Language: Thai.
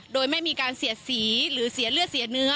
โดยไม่มีการเสียดสีหรือเสียเลือดเสียเนื้อ